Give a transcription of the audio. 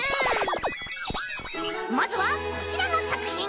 まずはこちらのさくひん！